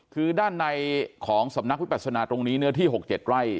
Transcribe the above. คือด้านในของสำนักวิปัสนาตรงนี้เนื้อที่๖๗ไร่